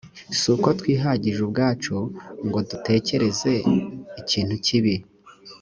si uko twihagije ubwacu ngo dutekereze ikintu kibi